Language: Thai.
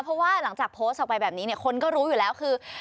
เพราะว่าหลังจากโพสต์ออกไปแบบนี้เนี่ยคนก็รู้อยู่แล้วคือ